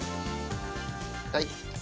はい。